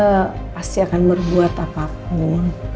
pasti akan berbuat apapun